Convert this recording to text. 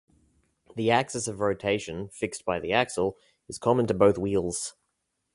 The axis of rotation fixed by the axle is common to both wheels.